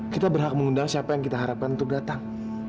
kita berhak mengundang siapa yang kita harapkan untuk datang